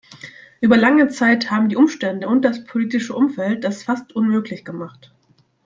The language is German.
Über lange Zeit haben die Umstände und das politische Umfeld das fast unmöglich gemacht.